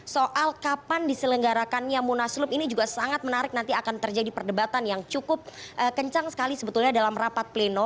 soal kapan diselenggarakannya munaslup ini juga sangat menarik nanti akan terjadi perdebatan yang cukup kencang sekali sebetulnya dalam rapat pleno